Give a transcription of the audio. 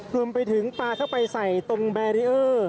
รวมไปถึงปลาเข้าไปใส่ตรงแบรีเออร์